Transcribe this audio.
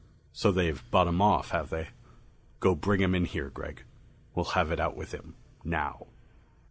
"So they've bought him off, have they? Go bring him in here, Gregg. We'll have it out with him now."